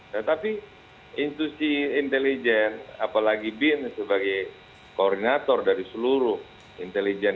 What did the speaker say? tetapi institusi intelijen apalagi bin sebagai koordinator dari seluruh intelijen